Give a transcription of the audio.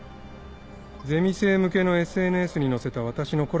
ゼミ生向けのＳＮＳに載せた私のコラムがあるね。